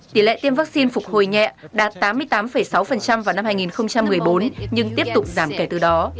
tỷ lệ tiêm vaccine phục hồi nhẹ đạt tám mươi tám sáu vào năm hai nghìn một mươi bốn nhưng tiếp tục giảm kể từ đó